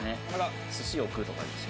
「寿司を食う」とかにして。